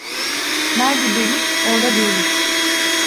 Nerde birlik, orda dirlik.